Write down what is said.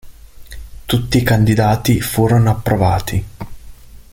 Tutti i candidati furono approvati.